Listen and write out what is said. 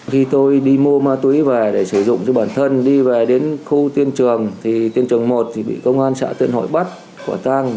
khi tôi đi mua ma túy về để sử dụng cho bản thân đi về đến khu tiên trường thì tiên trường một thì bị công an xã tuyên hội bắt khỏa tăng